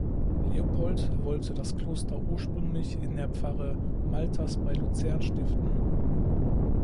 Leopold wollte das Kloster ursprünglich in der Pfarre Malters bei Luzern stiften.